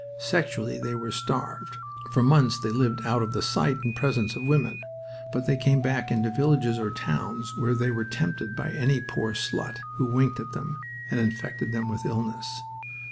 Sexually they were starved. For months they lived out of the sight and presence of women. But they came back into villages or towns where they were tempted by any poor slut who winked at them and infected them with illness.